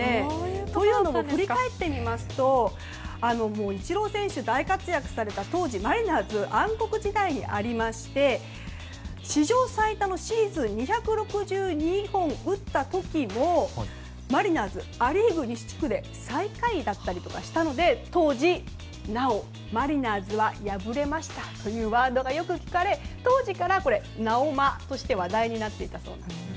というのも、振り返ってみますとイチロー選手大活躍された当時マリナーズ暗黒時代にありまして史上最多のシーズン２６２本を打った時もマリナーズ、ア・リーグ西地区で最下位だったりとかしたので当時、なおマリナーズは敗れましたというワードがよく聞かれ、当時からなおマとして話題になっていたそうなんです。